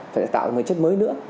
phải tạo ra một chất mới nữa